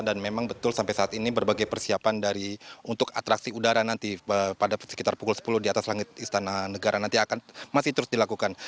dan memang betul sampai saat ini berbagai persiapan untuk atrasi udara nanti pada sekitar pukul sepuluh di atas langit istana negara nanti akan masih terus dilakukan